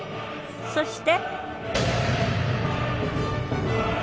そして。